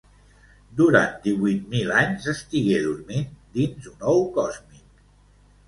Durant divuit mil anys estigué dormint dins un ou còsmic.